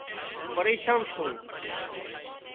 پريشان سُون